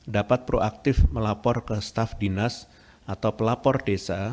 dapat proaktif melapor ke staff dinas atau pelapor desa